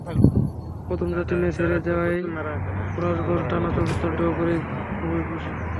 প্রথম চারটি ম্যাচই হেরে যাওয়া ফরাশগঞ্জ টানা চতুর্থ ড্র করে খুবই খুশি।